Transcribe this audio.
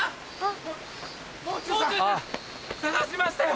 捜しましたよ！